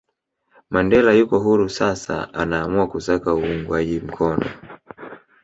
Mandela yuko huru sasa anaamua kusaka uungwaji mkono